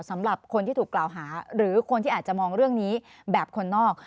สำหรับคนที่ถูกกล่าวหาหรือคนที่อาจจะมองเรื่องนี้แบบคนนอก